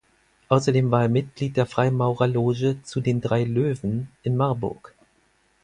Außerdem war er Mitglied der Freimaurerloge "Zu den drey Löwen" in Marburg.